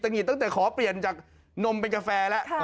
หงิดตั้งแต่ขอเปลี่ยนจากนมเป็นกาแฟแล้ว